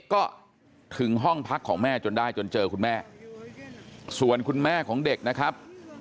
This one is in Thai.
ก็ถึงห้องพักของแม่จนได้จนเจอคุณแม่ส่วนคุณแม่ของเด็กนะครับ